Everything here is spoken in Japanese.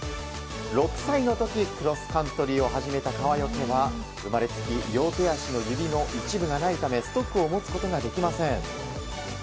６歳の時、クロスカントリーを始めた川除は生まれつき両手足の指の一部がないためストックを持つことができません。